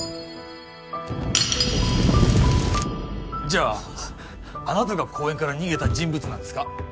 じゃああなたが公園から逃げた人物なんですか？